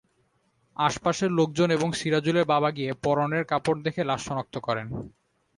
আশপাশের লোকজন এবং সিরাজুলের বাবা গিয়ে পরনের কাপড় দেখে লাশ শনাক্ত করেন।